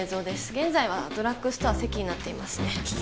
現在はドラッグストアＳＥＫＩになっています